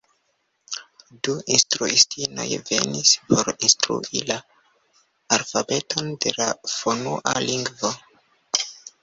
Du instruistinoj venis por instrui la alfabeton de la fonua lingvo.